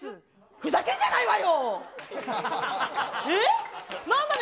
ふざけんじゃないわよ。